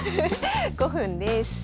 ５分です。